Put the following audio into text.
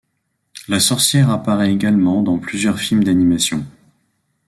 La sorcière apparaît également dans plusieurs films d'animation.